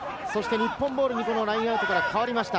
日本ボールにラインアウトから変わりました。